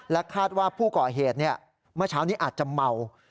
คาดว่าผู้ก่อเหตุเมื่อเช้านี้อาจจะเมา